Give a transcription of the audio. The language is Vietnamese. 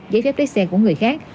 giấy phép lấy xe của người khác